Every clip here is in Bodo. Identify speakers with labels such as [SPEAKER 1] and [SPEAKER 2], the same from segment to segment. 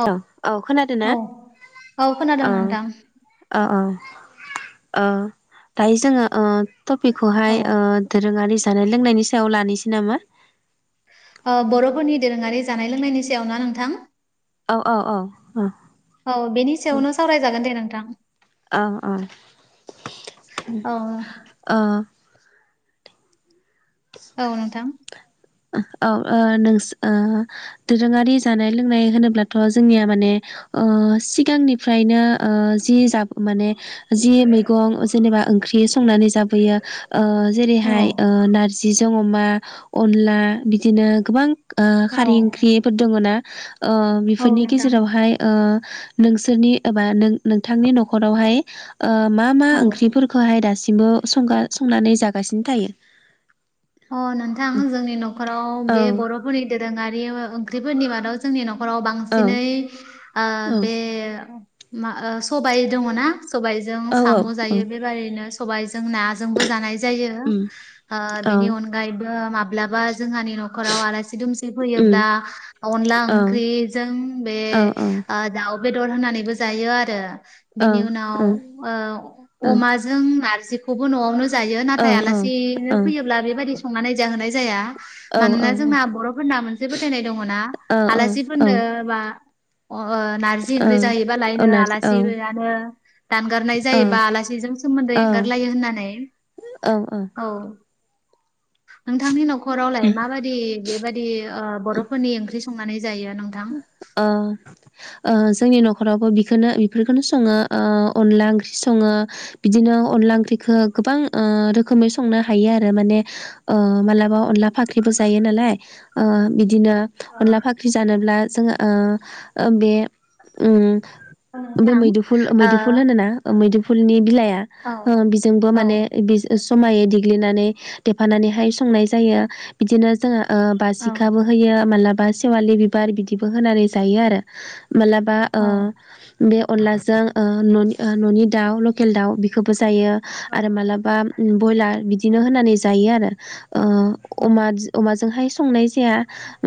[SPEAKER 1] औ
[SPEAKER 2] औ-औ
[SPEAKER 1] औ
[SPEAKER 2] खोनादोंना
[SPEAKER 1] खोनादों
[SPEAKER 2] औ
[SPEAKER 1] नोंथां
[SPEAKER 2] ओ अ ओ दायो जोंङो ओ टपिकखौहाय
[SPEAKER 1] औ
[SPEAKER 2] ओ दोरोङारि जानाय लोंनायनि सायाव लानोसै नामा?
[SPEAKER 1] अ बर'फोरनि दोरोङारि जानाय लोंनायनि सायाव ना नोंथां
[SPEAKER 2] औ अ अ अ
[SPEAKER 1] औ बेनि सायावनो सावरायजागोन दे नोंथां।
[SPEAKER 2] अ अ उम
[SPEAKER 1] औ
[SPEAKER 2] ओ
[SPEAKER 1] औ नोंथां
[SPEAKER 2] औ ओ नोंस ओ दोरोङारि जानाय लोंनाय होनोब्लाथ' जोंनिया माने ओ सिगांनिफ्रायनो ओ जि जाब माने जि मैगं जेनेबा ओंख्रि संनानै जाबोयो ओ
[SPEAKER 1] औ
[SPEAKER 2] जेरैहाय ओ नारजि जों अमा अनला बिदिनो गोबां ओ
[SPEAKER 1] औ
[SPEAKER 2] खारै ओंख्रिफोर दङ ना औ
[SPEAKER 1] औ
[SPEAKER 2] बेफोरनि
[SPEAKER 1] नोंथां
[SPEAKER 2] गेजेरावहाय ओ नोंसोरनि एबा नोंथांनि न'खरावहाय ओ मा मा
[SPEAKER 1] औ
[SPEAKER 2] ओंख्रि खौहाय दासिमबो सं संनानै जागासिनो थायो?
[SPEAKER 1] अ नोंथां जोंनि न'खराव
[SPEAKER 2] औ
[SPEAKER 1] बे बर'फोरनि दोरोङारि ओंख्रिफोरनि मादाव जोंनि न'खराव
[SPEAKER 2] औ
[SPEAKER 1] बांसिनै ओ
[SPEAKER 2] औ
[SPEAKER 1] बे मा ओ सबाय दङना सबायजों
[SPEAKER 2] औ औ
[SPEAKER 1] साम'
[SPEAKER 2] औ
[SPEAKER 1] जायो बेबायदिनो सबायजों नाजोंबो जानाय जायो। ओ अनगायबो माब्लाबा जोंहानि न' नखराव आलासि दुमसि फैयोब्ला अनला ओंख्रिजों बे ओ दाउ बेदर होनानैबो जायो आरो बिनि उनाव ओ अमा जों नारजिखौबो न'आवनो जायो। नाथाय आलासिनो फैयोब्ला बेबायदि संनानै जाहोनाय जाया। मानोना जोंना बर'फोरना मोनसे फोथायनाय दङना आलासिफोरनो बा अज्ञो नारजि ओंख्रि जाहैबालायनो
[SPEAKER 2] नार औ,
[SPEAKER 1] आलासि फैयानो। दानगारनाय
[SPEAKER 2] औ,
[SPEAKER 1] जायोबा आलासिजों सोमोन्दै
[SPEAKER 2] औ,
[SPEAKER 1] एंगारलायो होननानै
[SPEAKER 2] औ औ
[SPEAKER 1] नोंथांनि
[SPEAKER 2] उ,
[SPEAKER 1] न'खरावलाय माबायदि बेबायदि ओ बर'फोरनि ओंख्रि संनानै जायो नोंथां?
[SPEAKER 2] अ ओ जोंनि न'खरावबो बेखौनो बेफोरखौनो संङो अनला ओंख्रि संङो। बिदिनो अनला ओंख्रिखौ गोबां ओ रोखोमै संनो हायो आरो माने ओ मालाबा अनला फाख्रिबो जायो नालाय ओ बिदिनो
[SPEAKER 1] औ
[SPEAKER 2] अनला फाख्रि जानोब्ला जोंङो ओ बे ओम बे
[SPEAKER 1] नोंथां
[SPEAKER 2] मैदुफुल
[SPEAKER 1] ओ
[SPEAKER 2] मैदुफुल होनो ना ओ मैदुफुलनि बिलाइआ ओ बिजोंबो
[SPEAKER 1] औ
[SPEAKER 2] माने बि जमायै देग्लिनानै देफानानैहाय संनाय जायो बिदिनो जोंहा ओ
[SPEAKER 1] औ
[SPEAKER 2] बासिखाबो होयो माब्लाबा सेवालि बिबार बिदिबो होनानै जायो आरो। मालाबा ओ
[SPEAKER 1] औ
[SPEAKER 2] बे अनलाजों ओ न ओ न'नि दाउ लकेल दाउ बेखौबो जायो आरो
[SPEAKER 1] औ
[SPEAKER 2] मालाबा ब्रयलार बिदिनो होनानै जायो आरो। ओ
[SPEAKER 1] औ
[SPEAKER 2] अमाजोंहाय संनाय जाया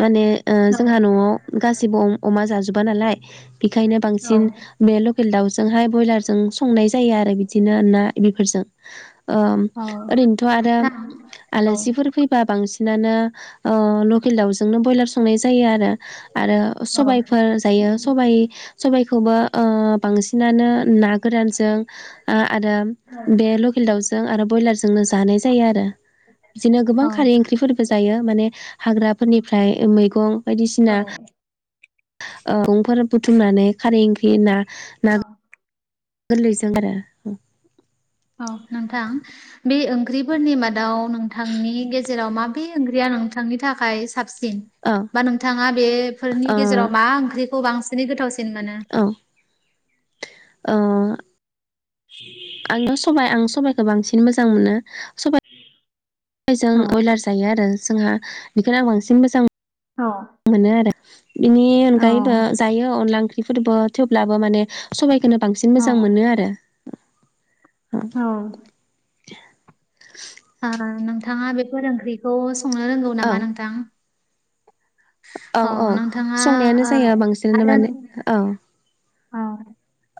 [SPEAKER 2] माने ओ
[SPEAKER 1] औ
[SPEAKER 2] ज जोंहा न'आव गासिबो अ अमा जाजोबा नालाय बेखायनो
[SPEAKER 1] औ
[SPEAKER 2] बांसिन बे लकेल दाउजोंहाय ब्रयलारजों संनाय जायो आरो बिदिनो ना बेफोरजों। ओम ओरैनोथ' आरो
[SPEAKER 1] नोंथां औ
[SPEAKER 2] आलासिफोर फै बा बांसिनानो अ लकेल दावजों बयलार सं जायो आरो आरो
[SPEAKER 1] औ
[SPEAKER 2] सबायफोर जायो सबाय सबायखौबो ओ बांसिनानो ना गोरानजों आरो बे लकेल दाउजों आरो ब्रयलारजोंनो जानाय जायो आरो। बिदिनो
[SPEAKER 1] औ
[SPEAKER 2] गोबां खारै ओंख्रिफोरबो जायो माने हाग्राफोरनिफ्राय मैगं बायदिसिना। [unintelligible] बुथुमनानै खारै ओंख्रि ना ना
[SPEAKER 1] औ
[SPEAKER 2] गोरलैजों आरो उम।
[SPEAKER 1] अ नोंथां बि ओंख्रिफोरनि मादाव नोंथांनि गेजेराव माबे ओंख्रिया नोंथांनि थाखाय साबसिन?
[SPEAKER 2] औ
[SPEAKER 1] बा नोंथांङा बेफोरनि
[SPEAKER 2] ओ
[SPEAKER 1] गेजेराव मा ओंख्रिखौ बांसिनै गोथावसिन मोनो?
[SPEAKER 2] औ ओ।
[SPEAKER 1] [inaudible]
[SPEAKER 2] आंथ सबाइ आं सबाइखौ बांसिन मोजां मोनो सबाय सबायजों
[SPEAKER 1] औ
[SPEAKER 2] बयलार जायो आरो जोंहा बेखौनो आं बांसिन मोजां
[SPEAKER 1] औ।
[SPEAKER 2] मोनो आरो बेनि
[SPEAKER 1] औ
[SPEAKER 2] अनगायैबो जायो अनला ओंख्रिफोरबो थेवब्लाबो माने। सबायखौनो बांसिन
[SPEAKER 1] औ
[SPEAKER 2] मोजां मोनो आरो।
[SPEAKER 1] औ। ओ नोंथाङा बेफोर ओंख्रिखौ संनो रोंगौ
[SPEAKER 2] औ
[SPEAKER 1] नामा नोंथां?
[SPEAKER 2] औ औ
[SPEAKER 1] नोंथाङा
[SPEAKER 2] संनायानो
[SPEAKER 1] ओ
[SPEAKER 2] जाया बांसिनानो
[SPEAKER 1] आरो
[SPEAKER 2] माने
[SPEAKER 1] नों-
[SPEAKER 2] औ।
[SPEAKER 1] औ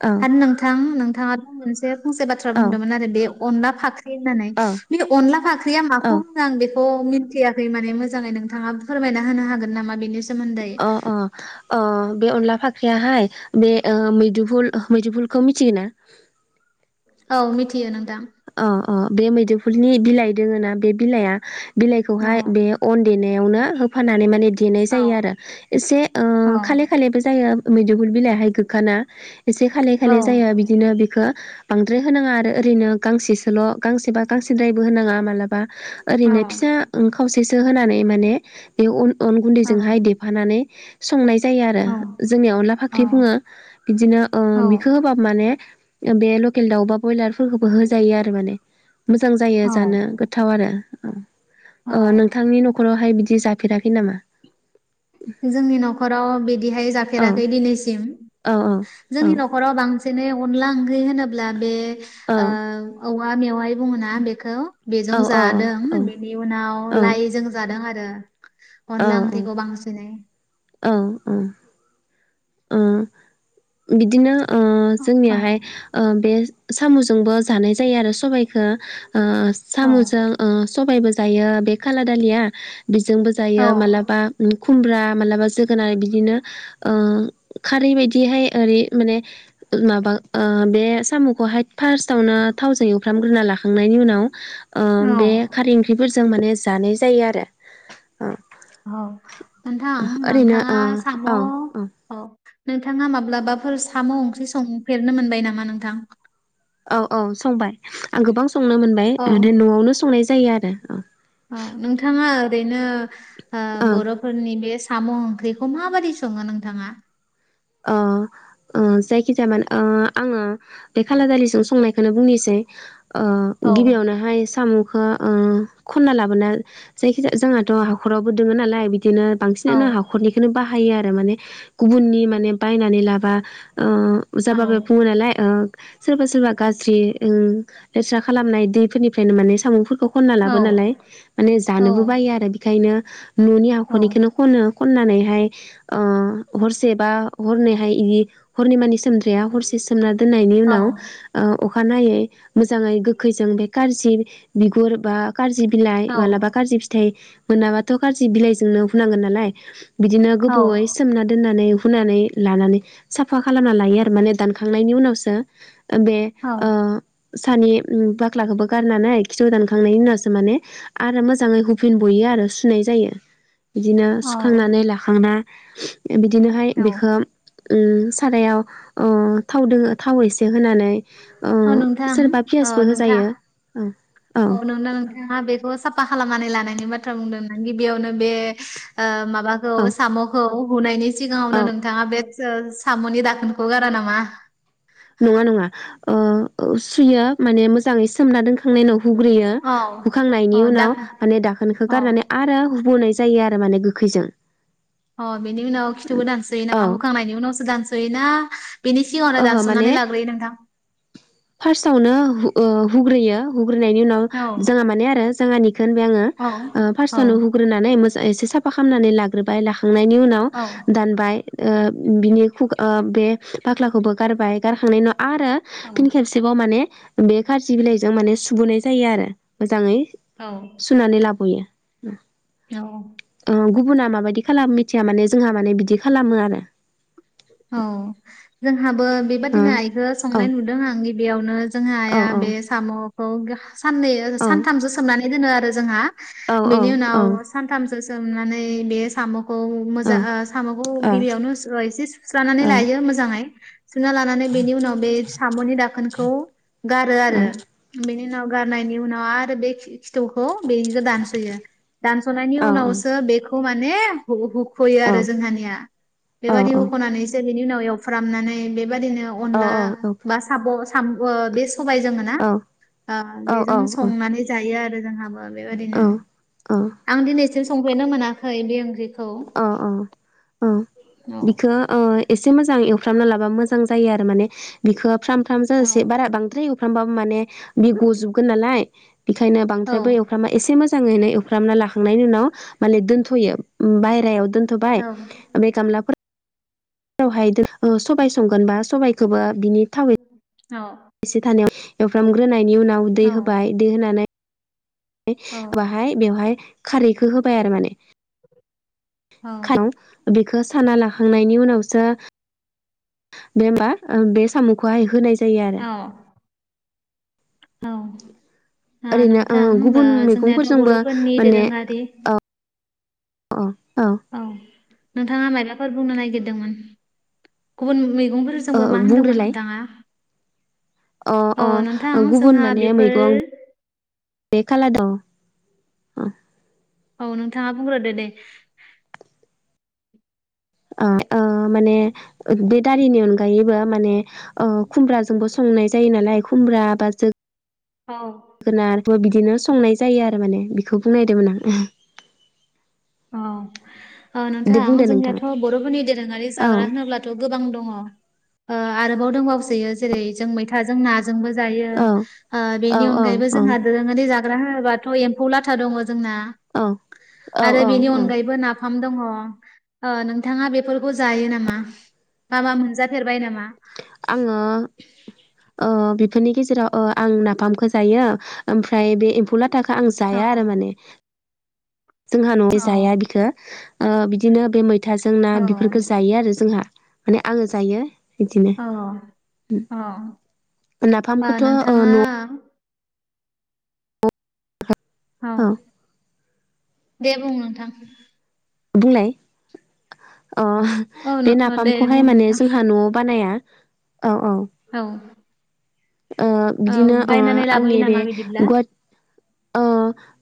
[SPEAKER 2] औ
[SPEAKER 1] आरो नोंथां नोंथाङाथ' मोनसे फंसे बाथ्रा
[SPEAKER 2] औ
[SPEAKER 1] बुंदोंमोन आरो बे अनला फाख्रि होननानै
[SPEAKER 2] औ
[SPEAKER 1] बे अनला फाख्रिया
[SPEAKER 2] औ
[SPEAKER 1] माखौ आं बेखौ मिथियाखै माने मोजाङै नोंथाङा फोरमायना होनो हागोन नामा बेनि सो
[SPEAKER 2] अ अ। अ बे अनला फाख्रियाहाय बे ओ मुदुफुल मुदुफुलखौ मिथियोना?
[SPEAKER 1] औ मिथियो नोंथां।
[SPEAKER 2] अ अ बे मुदुफुलनि बिलाइ दोङो ना बे बिलाइआ
[SPEAKER 1] औ
[SPEAKER 2] बिलाइखौहाय बे अन देना यावनो होफानानै माने देनाय
[SPEAKER 1] औ
[SPEAKER 2] जायो आरो एसे ओ
[SPEAKER 1] औ
[SPEAKER 2] खालि खालिबो जायो मुदुफुल बिलायाहाय गोखा ना एसे खालि
[SPEAKER 1] औ
[SPEAKER 2] खालि जायो बिदिनो बेखौ बांद्राय होनाङा आरो ओरैनो गांसेसोल' गांसेबा गांसेद्रायबो होनाङा माला बा
[SPEAKER 1] औ
[SPEAKER 2] ओरैनो फिसा खावसेसो होनानै माने बे अन
[SPEAKER 1] औ
[SPEAKER 2] गुन्दैजोंहाय दे फानानै संनाय जायो आरो जोंनियाव अनला फाख्रि बुङो बिदिनो ओ
[SPEAKER 1] औ
[SPEAKER 2] बिखौ होबा माने बे लकेल दाउ बा ब्रयलारफोरखौ बो होजायो आरो माने मोजां जायो
[SPEAKER 1] औ
[SPEAKER 2] जानो गोथाव आरो औ।
[SPEAKER 1] औ
[SPEAKER 2] ओ नोंथांनि न'खरावहाय बिदि जाफेराखै नामा?
[SPEAKER 1] जोंनि न'खराव बिदिहाय
[SPEAKER 2] औ
[SPEAKER 1] जाफेराखै दिनैसिम
[SPEAKER 2] औ औ
[SPEAKER 1] जोंनि न' खराव बांसिनै अनला ओंख्रि होनोब्ला बे
[SPEAKER 2] औ
[SPEAKER 1] ओ औ वा मेववाइ बुङो ना बेखौ। बेजों
[SPEAKER 2] औ औ
[SPEAKER 1] जादों
[SPEAKER 2] औ
[SPEAKER 1] बेनि उनाव
[SPEAKER 2] औ
[SPEAKER 1] लाइजों जादों आरो। अनला ओंख्रिखौ बां
[SPEAKER 2] औ औ ओम। बिदिनो ओ
[SPEAKER 1] औ
[SPEAKER 2] जोंनियाहाय ओ बे साम'जोंबो जानाय जायो आरो सबाइखौ ओ
[SPEAKER 1] औ
[SPEAKER 2] साम'जों ओ सबायबो जायो बे काला दालिया बेजोंबो
[SPEAKER 1] औ
[SPEAKER 2] जायो मालाबा उम खुमब्रा मालाबा जोगोनार बिदिनो ओ खारै बादिहाय ओरै माने माबा ओ बे साम'खौहाय फार्स्टआवनो थावजों एवफ्रामग्रोना लाखांनायनि उनाव ओ
[SPEAKER 1] औ
[SPEAKER 2] बे खारै ओंख्रिफोरजों माने जानाय जायो आरो। ओ
[SPEAKER 1] औ नोंथां
[SPEAKER 2] ओरैनो
[SPEAKER 1] नोंथांङा
[SPEAKER 2] ओ
[SPEAKER 1] साम' औ नोंथाङा माब्लाबाफोर साम' ओंख्रि संफेरनो मोनबाय नामा नोंथां?
[SPEAKER 2] औ औ संबाय आं गोबां संनो मोनबाय
[SPEAKER 1] औ
[SPEAKER 2] न'आवनो संनाय जायो आरो औ।
[SPEAKER 1] औ नोंथाङा ओरैनो ओ
[SPEAKER 2] औ
[SPEAKER 1] बर'फोरनि बे साम' ओंख्रिखौ माबादि सङो नोंथांङा?
[SPEAKER 2] अ अ जायखि जाया मानो ओ आंङो बे खालादालिजों संनायखौनो बुंनोसै।
[SPEAKER 1] औ
[SPEAKER 2] गिबियाव नोहाय साम'खौ ओ खनना लाबोना जायखिजाया जोंहाथ' हाखरावबो दोङो नालाय बिदिनो बांसिनानो
[SPEAKER 1] औ
[SPEAKER 2] हाखरनिखौनो बाहायो आरो माने गुबुननि माने बायनानै लाबा ओ उजा
[SPEAKER 1] औ
[SPEAKER 2] बाबाया बुङो नालाय ओ सोरबा सोरबा गाज्रि ओ लेथ्रा खालामनाय दैफोरनिफ्रायनो माने सामुफोरखौ खनना
[SPEAKER 1] औ
[SPEAKER 2] लाबोनानै माने
[SPEAKER 1] औ
[SPEAKER 2] जानोबो बायो आरो बेखायनो न'नि
[SPEAKER 1] औ
[SPEAKER 2] हाखरनिखोनो खनो। खननानैहाय अ हरसे बा हरनैहाय इदि हरनै मानि सोम नाया हरसे सोमना दोननायनि
[SPEAKER 1] औ
[SPEAKER 2] उनाव अखानायै मोजाङै गोखैजों बे गार्जि बिगुर बा गार्जि बिलाइ मालाबा गार्जि फिथाइ मोनाबाथ' गाज्रि बिलाइजोंनो हुनांगोन नालाय बिदिनो
[SPEAKER 1] औ
[SPEAKER 2] गोबावै सोमना दोननानै हुनानै लानानै साफा खालामना लायो आरो माने दानखांनायनि उनावसो बे
[SPEAKER 1] औ
[SPEAKER 2] ओ सानि बाख्लाखौबो गारो नालाय खिथिु दानखांनायनि उनावसो माने आरो मोजाङै हुफिन बयो आरो सुनाय जायो। बिदिनो सुखांनानै
[SPEAKER 1] औ
[SPEAKER 2] लाखांना बिदिनोहाय बेखौ ओम सारायाव‌ ओ थाव दो थाव एसे होनानै ओ
[SPEAKER 1] औ नोंथां
[SPEAKER 2] सोरबा
[SPEAKER 1] ओ
[SPEAKER 2] पियासबो
[SPEAKER 1] नोंथां
[SPEAKER 2] होजायो औ औ
[SPEAKER 1] नोंथाङा बेखौ साफा खालामनानै लानायनि बाथ्रा बुंदों गिबियावनो बे ओ माबा माबाखौ
[SPEAKER 2] औ
[SPEAKER 1] साम'खौ हुनायनि
[SPEAKER 2] औ
[SPEAKER 1] सिगाङावनो नोंथाङा बे साम'नि दाखोनखौ गारा नामा।
[SPEAKER 2] नङा नङा ओ सुयो माने मोजाङै सोमना दोनखा खांनायनि उनाव हुग्रोयो
[SPEAKER 1] औ औ
[SPEAKER 2] हुखांनायनि उनाव
[SPEAKER 1] दाखोन
[SPEAKER 2] माने दाखोनखौ
[SPEAKER 1] औ
[SPEAKER 2] गारनानै आरो हुबोनाय जायो आरो माने गोखैजों
[SPEAKER 1] अ बिनि उनाव खिथुखौ दानसोय
[SPEAKER 2] औ
[SPEAKER 1] नामा होखांनायनि उनावसो दानसोयो ना बिनि सिगाङावनो
[SPEAKER 2] ओहो माने
[SPEAKER 1] दानस'नानै लाग्रोयो नोंथां।
[SPEAKER 2] फार्स्टआवनो ओ हुग्रोयो हुग्रोनायनि उनाव
[SPEAKER 1] औ
[SPEAKER 2] जोंहा माने आरो जोंहानिखौ होनबाय आङो
[SPEAKER 1] औ
[SPEAKER 2] ओ
[SPEAKER 1] औ
[SPEAKER 2] फार्स्टआवनो हुोग्रोनानै मोजां एसे साफा खालामनानै लाग्रोबाय लाखांनायनि उनाव
[SPEAKER 1] औ
[SPEAKER 2] दानबाय ओ बिनि खु-ओ बे बाख्लाखौबो गारबाय गारखांनायनि उनाव आरो
[SPEAKER 1] औ
[SPEAKER 2] फिन खेबसे सेबाव माने बे खारजि बिलाइजों माने सुबावनाय जायो आरो मोजाङै।
[SPEAKER 1] औ
[SPEAKER 2] हुनानै लाबोयो
[SPEAKER 1] औ
[SPEAKER 2] ओ गुबुना माबायदि खालामो मिथिया माने जोंहा माने बिदि खालामो आरो।
[SPEAKER 1] औ जोंहाबो बेबादिनो आइखौ
[SPEAKER 2] ओ
[SPEAKER 1] संनाय नुदों आं गिबियावनो जोंहा
[SPEAKER 2] औ
[SPEAKER 1] आइया
[SPEAKER 2] औ
[SPEAKER 1] बे साम'खौ साननै
[SPEAKER 2] औ
[SPEAKER 1] सानथामसो सोमनानै दोनो आरो जोंहा बेनि
[SPEAKER 2] औ
[SPEAKER 1] उनाव सानथामसो सोमनानै बे साम' खौ मोजां ओ साम'खौ
[SPEAKER 2] औ
[SPEAKER 1] गिबियावनो ओ एसे सुस्रानानै
[SPEAKER 2] औ
[SPEAKER 1] लायो मोजाङै। सुना लानानै बेनि उनाव बे साम'नि दाखोनखौ गारो आरो
[SPEAKER 2] औ
[SPEAKER 1] बेनि उनाव गारनायनि उनाव आरो बे खिथौखौ बेनिखौ दानस'यो। दानस'नायनि
[SPEAKER 2] औ
[SPEAKER 1] उनावसो बेखौ माने हु- हुख'यो
[SPEAKER 2] औ
[SPEAKER 1] आरो जोंहानिया
[SPEAKER 2] औ
[SPEAKER 1] बेबादि हुखनानैसो बेनि उनाव‌ एवफ्रामनानै बेबादिनो अनला बा साब ओ बे सबाय दोङो ना बेजों
[SPEAKER 2] औ
[SPEAKER 1] संनानै जायो आरो जोंहाबो बेबायदिनो।
[SPEAKER 2] औ
[SPEAKER 1] आं दिनैसिम संफेरनो मोनाखै बे ओंख्रिखौ।
[SPEAKER 2] अ अ औ
[SPEAKER 1] औ
[SPEAKER 2] बिखौ ओ एसे मोजां एवफ्रामना लाबा मोजां जायो आरो माने बिखौ फ्राम फ्राम
[SPEAKER 1] औ
[SPEAKER 2] जाजासे बारा बांद्राय एव फ्रामबाबो माने बि गजोबगोन नालाय बेखायनो
[SPEAKER 1] औ
[SPEAKER 2] बांद्रायबो एव फ्रामा एसे मोजांङैनो एवफ्रामना लाखांनायनि उनाव माने दोनथ'यो बायह्रायाव दोन थ'बाय
[SPEAKER 1] औ
[SPEAKER 2] ओ बे गामला फोर वहाय सबाय संगोन बा सबायखौबा बिनि थाव
[SPEAKER 1] औ
[SPEAKER 2] एसे थानायाव एवफ्रामग्रोनायनि उनाव
[SPEAKER 1] औ
[SPEAKER 2] दै होबाय दै होनानै बाहाय बेवहाय खारैखौ होबाय आरो माने
[SPEAKER 1] औ
[SPEAKER 2] [unintelligible] बेखो साना लाखांनायनि उनावसो बे होमबा बे साम'खौहाय होनाय जायो आरो
[SPEAKER 1] अ औ ओ
[SPEAKER 2] ओरैनो
[SPEAKER 1] नोंथां ओ
[SPEAKER 2] गुबुन
[SPEAKER 1] जोंनियाथ'
[SPEAKER 2] मैगंफोरजोंबो
[SPEAKER 1] बर'फोरनि
[SPEAKER 2] माने
[SPEAKER 1] दोरोङारि
[SPEAKER 2] अ औ
[SPEAKER 1] औ नोंथाङा मायबाफोर बुंनो नागिरदोंमोन गुबुन मैगंफोर
[SPEAKER 2] औ
[SPEAKER 1] जोंबो मा होन्दोंमोन
[SPEAKER 2] बुंग्रोलाय
[SPEAKER 1] नोंथाङा?
[SPEAKER 2] अ
[SPEAKER 1] औ नोंथां
[SPEAKER 2] अ गुबुन
[SPEAKER 1] जोंहा
[SPEAKER 2] माने
[SPEAKER 1] बेफोर
[SPEAKER 2] मैगंं बे [unintelligible] दं ओ
[SPEAKER 1] औ नोंथाङा बुंग्रोदो दे।
[SPEAKER 2] ओ ओ माने बे दारिनि अनगायैबो माने ओ खुमब्राजोंबो संनाय जायो नालाय खुमब्रा बा जो
[SPEAKER 1] औ
[SPEAKER 2] गोनारबो बिदिनो संनाय जायो आरो माने बेखौ बुंनायदोंमोन आं
[SPEAKER 1] औ ओ
[SPEAKER 2] आं दे
[SPEAKER 1] नोंथां
[SPEAKER 2] बुंदो नोंथां
[SPEAKER 1] जोंनियाथ' बर'फोरनि दोरोंङारि
[SPEAKER 2] औ
[SPEAKER 1] जाग्रा होनोब्ला थ' गोबां दंङ' ओ आरोबाव दंबावसोयो जेरै जों मैथाजों ना जों जोंबो जायो
[SPEAKER 2] औ
[SPEAKER 1] ओ
[SPEAKER 2] औ
[SPEAKER 1] बेनि
[SPEAKER 2] औ
[SPEAKER 1] अनगायैबो
[SPEAKER 2] औ
[SPEAKER 1] जोंहा‌ दोरोंङारि जा ग्रा होनोबाथ' एम्फौ लाथा दंङ जोंना।
[SPEAKER 2] औ औ
[SPEAKER 1] आरो बेनि
[SPEAKER 2] औ
[SPEAKER 1] अनगायैबो नाफाम दंङ ओ नोंथांङा बेफोरखौ जायो नामा? नाबा मोनजाफेरबाय नामा?
[SPEAKER 2] आंङो ओ बेफोरनि गेजेराव ओ आं नाफामखौ जायो ओमफ्राय बे एम्फौला थाखो आं
[SPEAKER 1] औ
[SPEAKER 2] जाया आरो माने। जोंहा न' [unintelligible] जाया बिखो ओ बिदिनो बे मै थाजों ना
[SPEAKER 1] औ
[SPEAKER 2] बेफोरखौ जायो आरो जोंहा माने आंङो जायो। बिदिनो
[SPEAKER 1] औ
[SPEAKER 2] उम नाफामखौथ' ओ न'
[SPEAKER 1] औ दे बुं नोंथां
[SPEAKER 2] बुंनाय अह
[SPEAKER 1] औ
[SPEAKER 2] बे
[SPEAKER 1] नों दे
[SPEAKER 2] नाफामखौहाय
[SPEAKER 1] बुं
[SPEAKER 2] माने
[SPEAKER 1] नोंथां
[SPEAKER 2] जोंहा न'आव बानाया औ औ
[SPEAKER 1] औ
[SPEAKER 2] ओ
[SPEAKER 1] औ
[SPEAKER 2] बिदिनो ओ
[SPEAKER 1] बायनानै लाबोयो
[SPEAKER 2] आंनि बे
[SPEAKER 1] नामा बिदिब्ला?
[SPEAKER 2] गुवा अ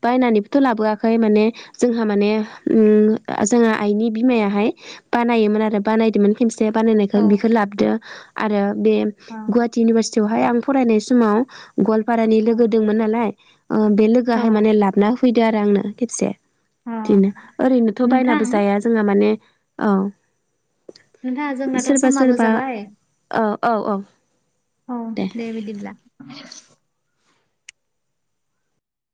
[SPEAKER 2] बायनानैबोथ' लाबोआखै माने जोंहा माने उम जोंहा आइनि बिमायाहाय बानायोमोन आरो बानायदोंमोन खेमसे बानायनायखौ
[SPEAKER 1] औ
[SPEAKER 2] बिखौ लाबो दो आरो बे
[SPEAKER 1] औ
[SPEAKER 2] गुवाहाटि इउनिभारसिटियावहाय आं फरायनाय समाव गवालपारानि
[SPEAKER 1] औ
[SPEAKER 2] लोगो दोंमोन नालाय ओ बे
[SPEAKER 1] औ
[SPEAKER 2] लोगोआहाय माने लाबना फैदो आरो आंनो खेबसे।
[SPEAKER 1] औ
[SPEAKER 2] दिनो ओरैनोथ'
[SPEAKER 1] नोंथां
[SPEAKER 2] बायनाबो जाया जोंहा माने औ
[SPEAKER 1] नोंथां जोंनाथ'
[SPEAKER 2] सोरबा
[SPEAKER 1] समाबो
[SPEAKER 2] सोरबा
[SPEAKER 1] जाबाय
[SPEAKER 2] ओ औ औ
[SPEAKER 1] औ दे बिदिब्ला।